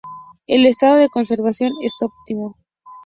El estado de conservación es óptimo.